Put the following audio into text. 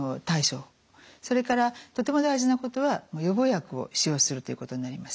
それからとても大事なことは予防薬を使用するということになります。